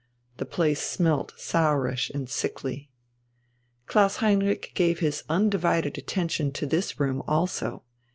The place smelt sourish and sickly. Klaus Heinrich gave his undivided attention to this room also.